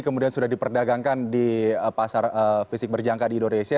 kemudian sudah diperdagangkan di pasar fisik berjangka di indonesia